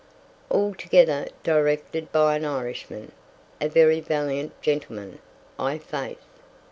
"Altogether directed by an Irishman; a very valiant gentleman, i' faith."